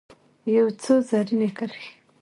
یو څو رزیني کرښې